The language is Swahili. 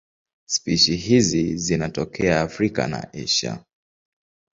Spishi hizi zinatokea Afrika na Asia.